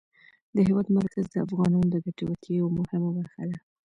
د هېواد مرکز د افغانانو د ګټورتیا یوه مهمه برخه ده.